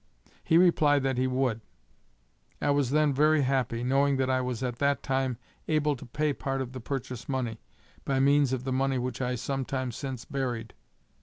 He replied that he would. I was then very happy, knowing that I was at that time able to pay part of the purchase money, by means of the money which I some time since buried.